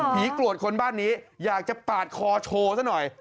กรวดคนบ้านนี้อยากจะปาดคอโชว์ซะหน่อย